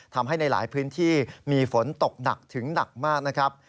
ทำให้ในหลายพื้นที่มีฝนตกหนักถึงหนักมากนะครับ